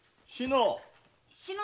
志乃！